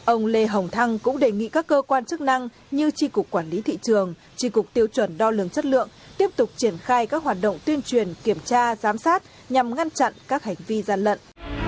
ông lê hồng thăng cũng đề nghị các cơ quan chức năng như tri cục quản lý thị trường tri cục tiêu chuẩn đo lường chất lượng tiếp tục triển khai các hoạt động tuyên truyền kiểm tra giám sát nhằm ngăn chặn các hành vi gian lận